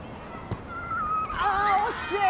ああ惜しい！